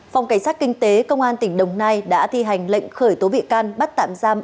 phòng cảnh sát kinh tế công an tỉnh đồng nai đã thi hành lệnh khởi tố bị can bắt tạm giam